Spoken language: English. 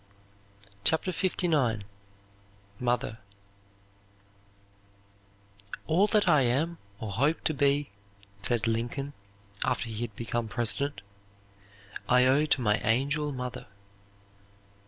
CHAPTER LIX MOTHER "All that I am or hope to be," said Lincoln, after he had become President, "I owe to my angel mother."